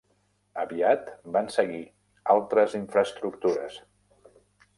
Aviat van seguir altres infraestructures.